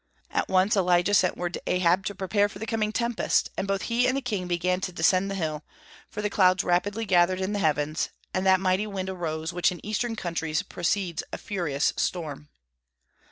At once Elijah sent word to Ahab to prepare for the coming tempest; and both he and the king began to descend the hill, for the clouds rapidly gathered in the heavens, and that mighty wind arose which in Eastern countries precedes a furious storm.